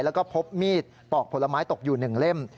แล้วก็พบมีดปอกผลไม้ตกอยู่๑เล่ม